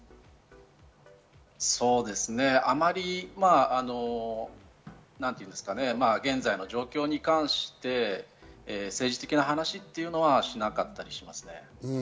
そうですね、あまり現在の状況に関して政治的な話というのはしなかったりしますね。